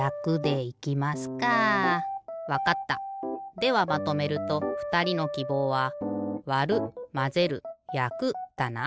ではまとめるとふたりのきぼうは「わる」「まぜる」「やく」だな？